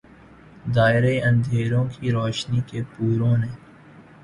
دائرے اندھیروں کے روشنی کے پوروں نے